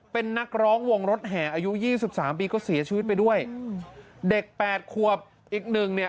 เป็นนักร้องวงรถแห่อายุยี่สิบสามปีก็เสียชีวิตไปด้วยเด็กแปดขวบอีกหนึ่งเนี่ย